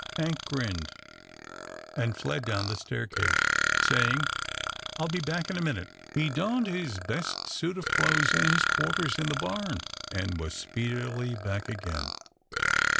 Hank grinned, and fled down the staircase, say ing, " I'll be back in a minute." He donned his best suit of clothes in his quarters in the barn, and was speedily back again.